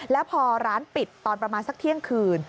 แล้วพอร้านปิดตอนประมาณสักเที่ยงคืน